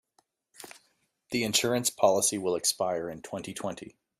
The insurance policy will expire in twenty-twenty.